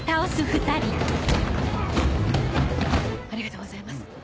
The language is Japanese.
ありがとうございます